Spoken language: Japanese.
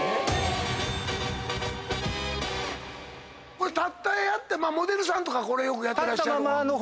これ立ってモデルさんとかこれよくやってらっしゃる。